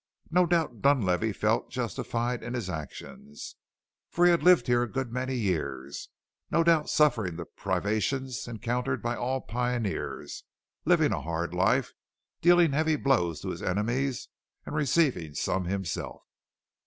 No doubt Dunlavey felt justified in his actions, for he had lived here a good many years, no doubt suffering the privations encountered by all pioneers; living a hard life, dealing heavy blows to his enemies, and receiving some himself.